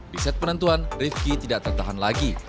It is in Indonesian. di set penentuan rifki tidak tertahan lagi